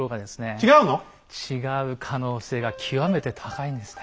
違うの⁉違う可能性が極めて高いんですね。